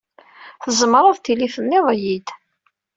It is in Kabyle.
Tzemreḍ tili tenniḍ-iyi-d.